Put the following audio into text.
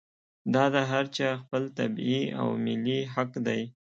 دا د هر چا خپل طبعي او ملي حق دی.